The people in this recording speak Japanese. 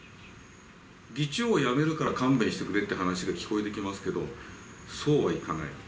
議長を辞めるから勘弁してくれって話が聞こえてきますけど、そうはいかない。